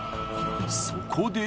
［そこで］